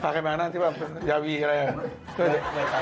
พาใครมานั่งที่ว่ายาวีอะไรอย่างนั้น